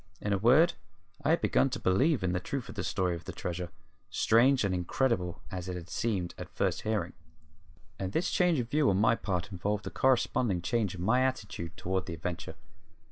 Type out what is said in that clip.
In a word, I had begun to believe in the truth of the story of the treasure, strange and incredible as it had seemed at first hearing. And this change of view on my part involved a corresponding change in my attitude toward the adventure.